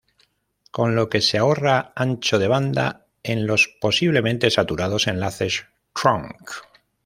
Con lo que se ahorra ancho de banda en los posiblemente saturados enlaces "trunk".